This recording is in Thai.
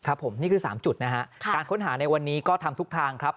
ผมนี่คือ๓จุดนะฮะการค้นหาในวันนี้ก็ทำทุกทางครับ